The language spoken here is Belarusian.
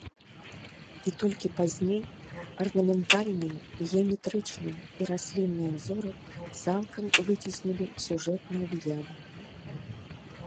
І толькі пазней арнаментальныя геаметрычныя і раслінныя ўзоры цалкам выцеснілі сюжэтныя выявы.